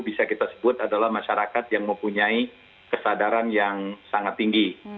bisa kita sebut adalah masyarakat yang mempunyai kesadaran yang sangat tinggi